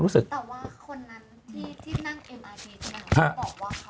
แต่ว่าคนนั้นที่